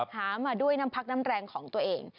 หามาด้วยน้ำพักน้ำแรงของตัวเอง